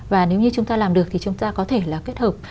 và nếu như chúng ta làm được thì chúng ta có thể là kết hợp